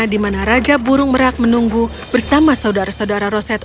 di mana raja burung merak menunggu bersama saudara saudara roset